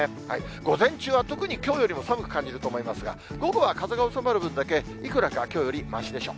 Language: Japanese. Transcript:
午前中は特に、きょうよりも寒く感じると思いますが、午後は風が収まる分だけ、いくらかきょうよりましでしょう。